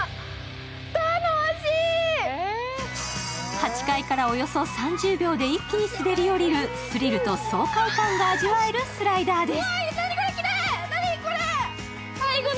８階からおよそ３０秒で一気に滑り降りるスリルと爽快感が味わえるスライダーです。